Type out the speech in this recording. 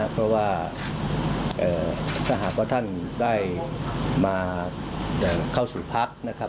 เพราะว่าถ้าหากว่าท่านได้มาเข้าสู่พักนะครับ